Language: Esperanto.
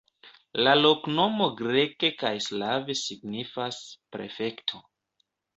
La loknomo greke kaj slave signifas "prefekto".